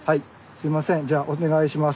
すいませんじゃあお願いします。